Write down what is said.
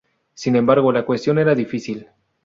Sin embargo, la cuestión era difícil.